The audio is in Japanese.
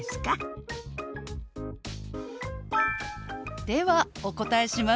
ではお答えします。